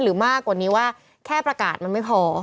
มากกว่านี้ว่าแค่ประกาศมันไม่พอ